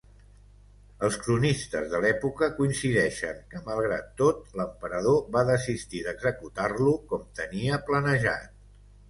Els cronistes de l'època coincideixen que malgrat tot l'emperador va desistir d'executar-lo com tenia planejat.